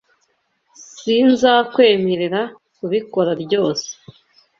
Sinzakwemerera kubikora ryose.